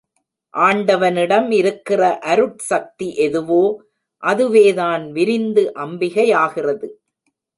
ஆண்டவனிடம் இருக்கிற அருட்சக்தி எதுவோ அதுவேதான் விரிந்து அம்பிகையாகிறது.